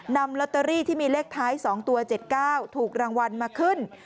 นำลอตเตอรี่ที่มีเลขท้าย๒ตัว๗๙ถูกรางวัลมาขึ้น